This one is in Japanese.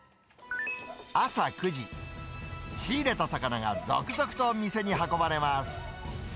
朝９時、仕入れた魚が続々とお店に運ばれます。